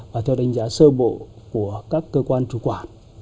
và theo đánh giá sơ bộ của các cơ quan chủ quản